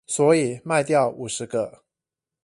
所以賣掉五十個